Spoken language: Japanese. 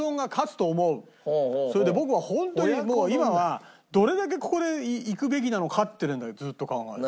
それで僕はホントに今はどれだけここでいくべきなのかっていうのだけずっと考えてる。